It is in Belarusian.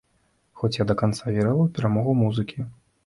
Хоць я да канца верыла ў перамогу музыкі.